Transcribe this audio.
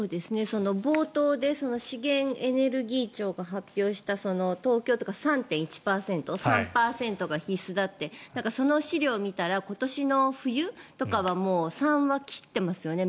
冒頭で資源エネルギー庁が発表した東京都が３．１％３％が必須だってその資料を見たら今年の冬とかは３は切ってますよね。